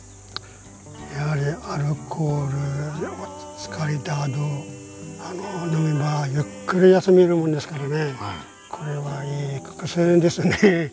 やはりアルコール疲れたあと呑めばゆっくり休めるもんですからねこれはいい薬ですね。